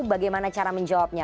bagaimana cara menjawabnya